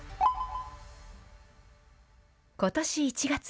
ことし１月。